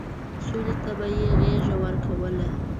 سولې ته به يې غېږه ورکوله.